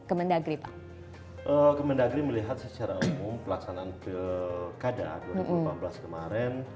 kemendagri pak kemendagri melihat secara umum pelaksanaan pilkada dua ribu delapan belas kemarin